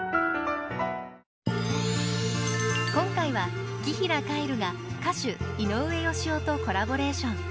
今回は紀平凱成が歌手井上芳雄とコラボレーション。